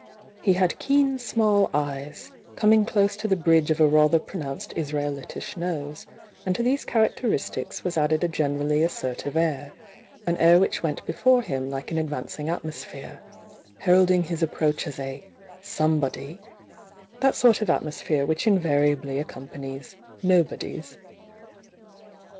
He had keen small eyes ^ng close to the bridge of a rather pronounced S raebtiah nose, and to these characteristics was added a generally assertive air, an air which went before «^Jrt '^ adyancmg atmosphere, heralding his approach as a "somebody" that sort of atanos phere which mvanably accompanies nobodies.